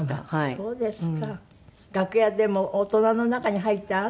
そうですか。